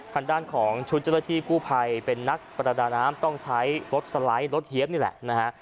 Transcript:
ทางด้านของชุดเจ้าหน้าที่กู้ภัยเป็นนักประดาน้ำต้องใช้รถสไลด์รถเฮียบนี่แหละนะฮะ